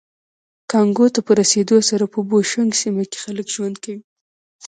کانګو ته په رسېدو سره په بوشونګ سیمه کې خلک ژوند کوي